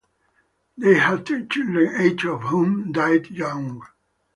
They had ten children, eight of whom died young.